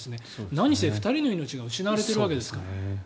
何せ２人の命が失われているわけですから。